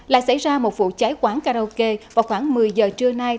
lại xảy ra một vụ cháy quán karaoke vào khoảng một mươi giờ trưa nay